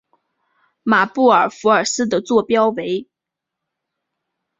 马布尔福尔斯的座标为。